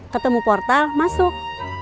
ketemu portal masuk